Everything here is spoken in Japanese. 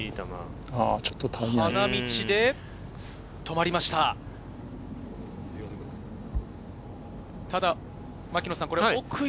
花道で止まりました。